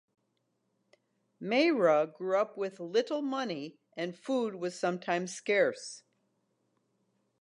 Mayra grew up with little money and food was sometimes scarce.